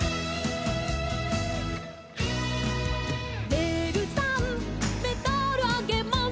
「レールさんメダルあげます」